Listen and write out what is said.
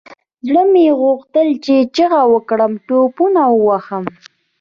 زړه مې غوښتل چې چيغه وكړم ټوپونه ووهم.